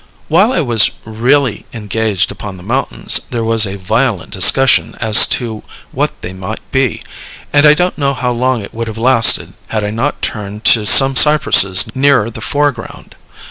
While I was really engaged upon the mountains, there was a violent discussion as to what they might be; and I don't know how long it would have lasted, had I not turned to some cypresses nearer the foreground.